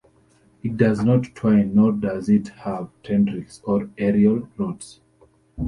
It does not twine, nor does it have tendrils or aerial roots.